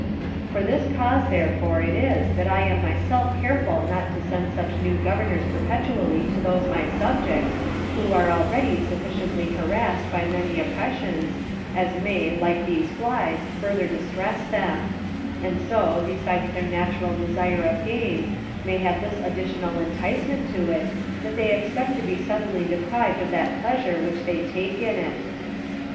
For this cause, therefore, it is that I am myself careful not to send such new governors perpetually to those my subjects, who are already sufficiently harassed by many oppressions, as may, like these flies, further distress them; and so, besides their natural desire of gain, may have this additional incitement to it, that they expect to be suddenly deprived of that pleasure which they take in it."